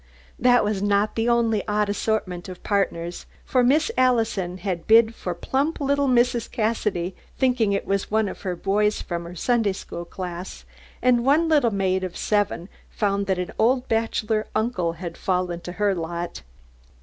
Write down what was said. That was not the only odd assortment of partners, for Miss Allison had bid for plump little Mrs. Cassidy, thinking it was one of the boys in her Sunday school class; and one little maid of seven found that an old bachelor uncle had fallen to her lot.